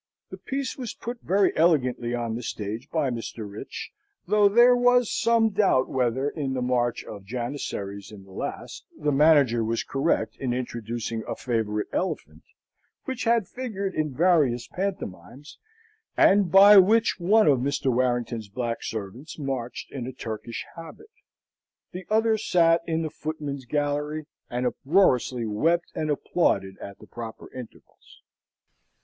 The piece was put very elegantly on the stage by Mr. Rich, though there was some doubt whether, in the march of Janissaries in the last, the manager was correct in introducing a favourite elephant, which had figured in various pantomimes, and by which one of Mr. Warrington's black servants marched in a Turkish habit. The other sate in the footman's gallery, and uproariously wept and applauded at the proper intervals.